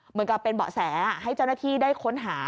เหมือนกับเป็นเบาะแสให้เจ้าหน้าที่ได้ค้นหา